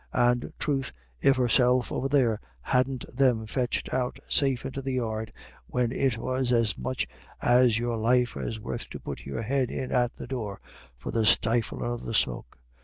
And, troth, if herself over there hadn't them fetched out safe into the yard, when it was as much as your life was worth to put your head in at the door, for the stiflin' of the smoke.